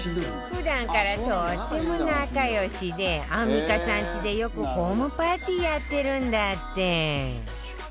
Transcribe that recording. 普段からとっても仲良しでアンミカさんちでよくホームパーティーやってるんだって